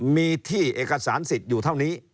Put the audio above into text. มีที่เอกสารสิทธิ์อยู่เท่านี้